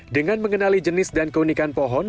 dengan mengenali jenis dan keunikan pohon